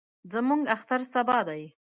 زموږ اختر سبا دئ.